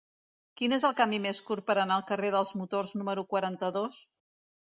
Quin és el camí més curt per anar al carrer dels Motors número quaranta-dos?